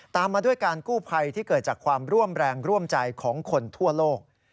มาด้วยการกู้ภัยที่เกิดจากความร่วมแรงร่วมใจของคนทั่วโลก